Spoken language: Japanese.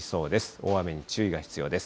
大雨に注意が必要です。